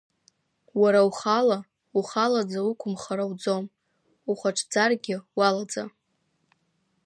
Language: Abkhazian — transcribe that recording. Уара ухала, ухалаӡа уқәымхар ауӡом, ухәаҽӡаргьы уалаӡа…